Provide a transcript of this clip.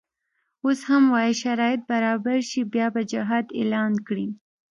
اوس هم وایي شرایط برابر شي بیا به جهاد اعلان کړي.